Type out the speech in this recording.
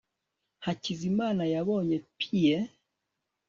hakizimana yabonye pie